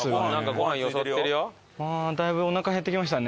だいぶおなか減ってきましたね。